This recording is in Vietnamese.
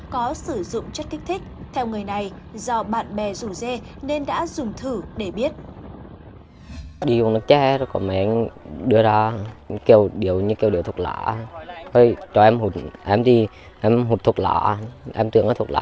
có sử dụng chất kích thích theo người này do bạn bè rủ dê nên đã dùng thử để biết